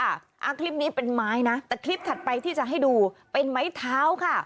อ่าคลิปนี้เป็นไม้นะแต่คลิปถัดไปที่จะให้ดูเป็นไม้เท้าค่ะ